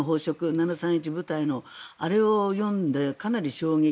７３１部隊のあれを読んで、かなり衝撃。